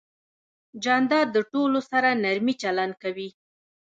جانداد د ټولو سره نرمي چلند کوي.